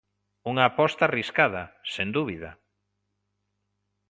Unha aposta arriscada, sen dúbida.